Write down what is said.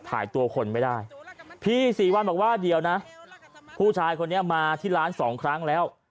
ตัวคนไม่ได้พี่ศรีวัลบอกว่าเดี๋ยวนะผู้ชายคนนี้มาที่ร้านสองครั้งแล้ว